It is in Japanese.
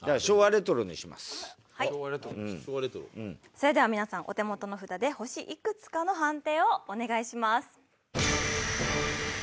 それでは皆さんお手元の札で星いくつかの判定をお願いします。